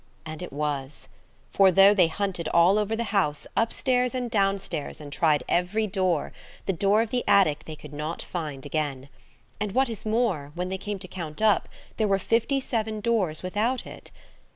And it was. For though they hunted all over the house, upstairs and downstairs, and tried every door, the door of the attic they could not find again. And what is more, when they came to count up, there were fifty seven doors without it.